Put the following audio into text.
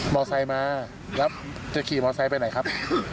ไซค์มาแล้วจะขี่มอไซค์ไปไหนครับ